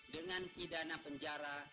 dengan pidana penjara